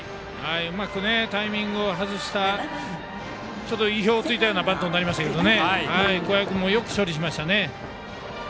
うまくタイミングを外した意表を突いたようなバントになりましたが桑江君もよく処理しました。